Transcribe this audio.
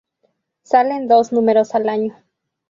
Salen dos números al año.